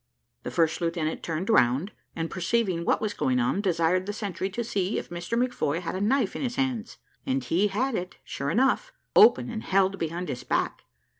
The first lieutenant turned round, and perceiving what was going on, desired the sentry to see if Mr McFoy had a knife in his hands; and he had it sure enough, open and held behind his back.